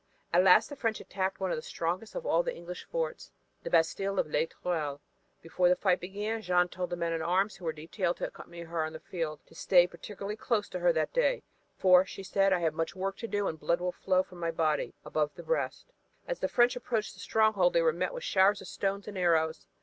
At last the French attacked one of the strongest of all the English forts, the bastille of Les Tourelles. Before the fight began Jeanne told the men at arms who were detailed to accompany her on the field to stay particularly close to her that day "For," said she, "I have much work to do, and blood will flow from my body above the breast." As the French approached the stronghold they were met with showers of stones and arrows.